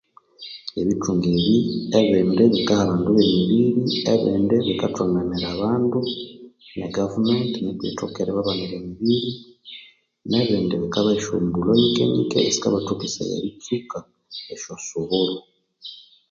Ebithunga ebi ebindi bikaha abandu bemibiri, ebindi bikathonganira abandu, ne gabumenti nuku yithoke eriba banira emibiri, nebindi bikabaha esyo mbulho nyike-nyike esikabathokesaya eritsuka esyo suburo